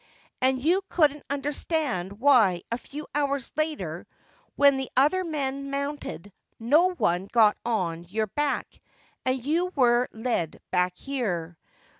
And you couldn' t understand why a few hours later, when the other men mounted, no one got on your back, and you were led back here.